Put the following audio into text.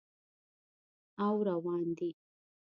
او روان دي